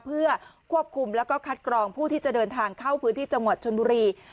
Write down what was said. เพื่อควบคุมแล้วก็คัดกรองผู้ที่จะเดินทางเข้าพื้นที่จังหวัดชนบุรี